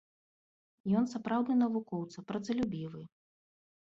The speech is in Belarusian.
Ён сапраўдны навукоўца, працалюбівы.